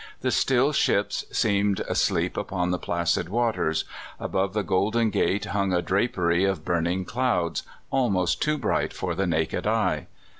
The still ships seemed asleep upon the placid waters. Above the Golden Gate hung a drapery of burning clouds, almost too bright for the naked eye.